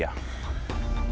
bakal dikawal sama dia